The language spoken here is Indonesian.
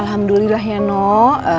ya alhamdulillah ya nek